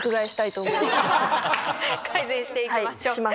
改善していきましょう。